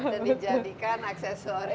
dan dijadikan aksesoris